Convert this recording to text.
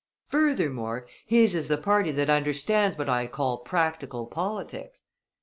"Furthermore his is the party that understands what I call practical politics.